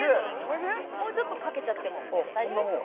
もうちょっと掛けちゃっても大丈夫ですよ